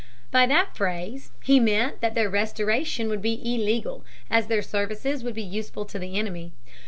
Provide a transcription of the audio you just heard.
By that phrase he meant that their restoration would be illegal as their services would be useful to the enemy.